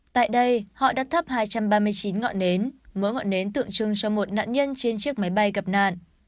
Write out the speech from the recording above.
tại đây họ đã thắp hai trăm ba mươi chín ngọn nến mỗi ngọn nến tượng trưng cho một nạn nhân trên chiếc máy bay gặp nạn